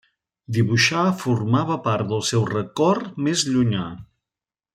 Dibuixar formava part del seu record més llunyà.